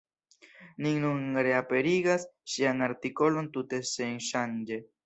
Ni nun reaperigas ŝian artikolon tute senŝanĝe.